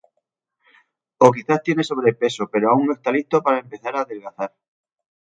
O quizás tiene sobrepeso pero aún no está listo para empezar a adelgazar